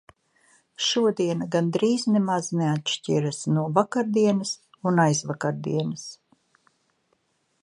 Šodiena gandrīz nemaz neatšķiras no vakardienas un aizvakardienas.